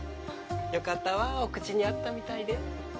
よかったわお口に合ったみたいで。